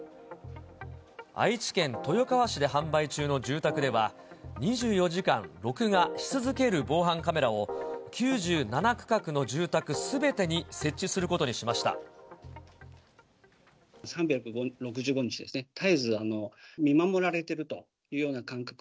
愛知県豊川市で販売中の住宅では、２４時間録画し続ける防犯カメラを、９７区画の住宅すべてに設置３６５日ですね、絶えず見守られているというような感覚。